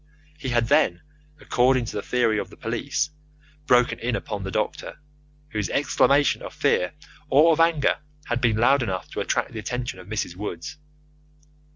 He had then, according to the theory of the police, broken in upon the doctor, whose exclamation of fear or of anger had been loud enough to attract the attention of Mrs. Woods.